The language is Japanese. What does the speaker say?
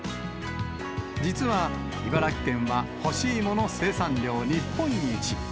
実は茨城県は干し芋の生産量日本一。